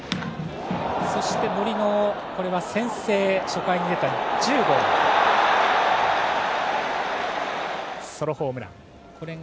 そして森の先制初回に出た１０号ソロホームラン。